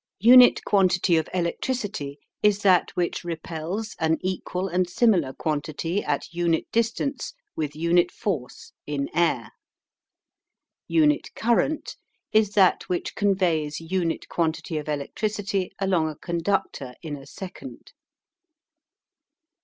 UNIT QUANTITY of electricity is that which repels an equal and similar quantity at unit distance with unit force in air. UNIT CURRENT is that which conveys unit quantity of electricity along a conductor in a second.